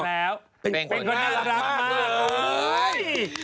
ประเมินให้ประเมินให้